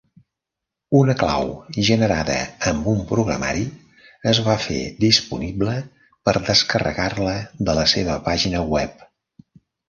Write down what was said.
Una clau generada amb un programari es va fer disponible per descarregar-la de la seva pàgina web.